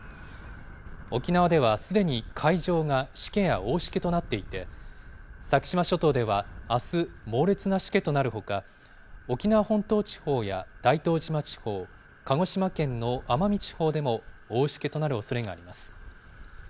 沖縄ではすでに海上がしけや大しけとなっていて、先島諸島ではあす、猛烈なしけとなるほか、沖縄本島地方や大東島地方、鹿児島県の奄美地方でも大しけとなるおそれがあります。